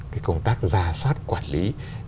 cái công tác ra sát quản lý